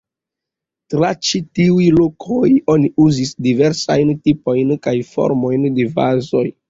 Tra ĉi tiuj lokoj oni uzis diversajn tipojn kaj formojn de vazoj.